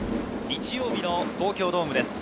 日曜日の東京ドームです。